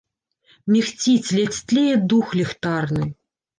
Мігціць, ледзь тлее дух ліхтарны.